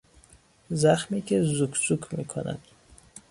زخمی که که زوک زوک میکند